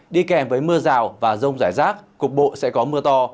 đi kèm với mưa rào và rông rải rác cục bộ sẽ có mưa to